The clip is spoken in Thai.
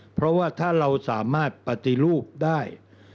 เพราะว่าถ้าเราสามารถปฏิรูปได้